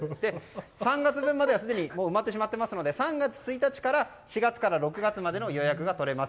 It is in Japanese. ３月分までは、すでに埋まってしまっていますので３月１日から４月から６月までの予約が取れます。